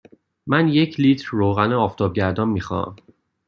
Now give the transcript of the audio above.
من یک لیتر روغن آفتابگردان می خواهم.